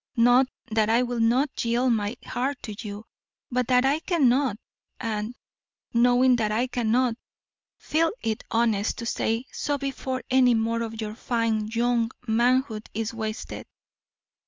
Not that I will not yield my heart to you, but that I cannot; and, knowing that I cannot, feel it honest to say so before any more of your fine, young manhood is wasted.